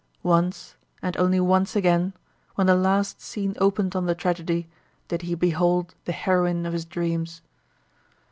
Once, and only once again, when the last scene opened on the tragedy, did he behold the heroine of his dreams.